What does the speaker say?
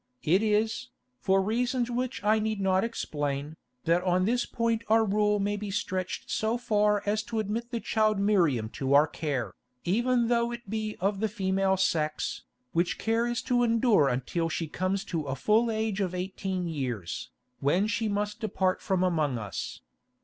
It is, for reasons which I need not explain, that on this point our rule may be stretched so far as to admit the child Miriam to our care, even though it be of the female sex, which care is to endure until she comes to a full age of eighteen years, when she must depart from among us.